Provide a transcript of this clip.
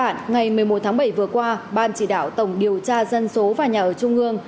ngày một mươi một tháng bảy vừa qua ban chỉ đạo tổng điều tra dân số và nhà ở trung ương